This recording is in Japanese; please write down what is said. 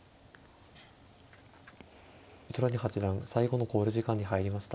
糸谷八段最後の考慮時間に入りました。